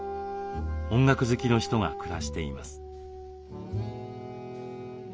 音楽好きの人が暮らしています。